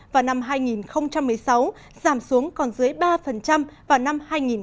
và năm hai nghìn một mươi sáu giảm xuống còn dưới ba vào năm hai nghìn một mươi